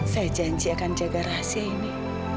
saya janji akan jaga rahasia ini